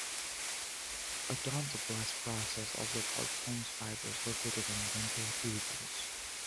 The odontoblast process, also called Tomes fiber, is located in dentinal tubules.